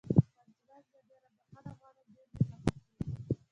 خان زمان: زه ډېره بښنه غواړم، ډېر مې خفه کړې.